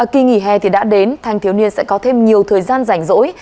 kỳ nghỉ hè thì đã đến thanh thiếu niên sẽ có thêm nhiều thời gian dành dỗi